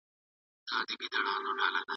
ملتونه به د بشري حقونو قانون پلی کړي.